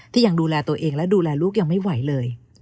ยังดูแลตัวเองและดูแลลูกยังไม่ไหวเลย